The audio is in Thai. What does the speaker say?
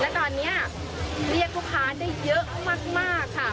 เสร็จว่าเลยค่ะและตอนเนี้ยเรียกลูกค้าได้เยอะมากมากค่ะ